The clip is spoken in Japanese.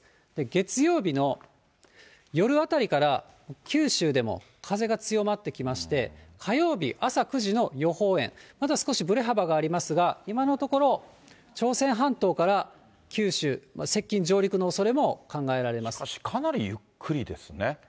月曜日の夜あたりから、九州でも風が強まってきまして、火曜日朝９時の予報円、まだ少しぶれ幅がありますが、今のところ、朝鮮半島から九州、接近、しかしかなりゆっくりですね。